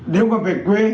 nếu mà về quê